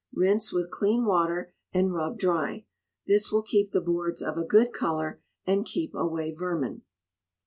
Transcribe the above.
Rinse with clean water, and rub dry. This will keep the boards of a good colour, and keep away vermin.